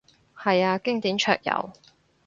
係啊，經典桌遊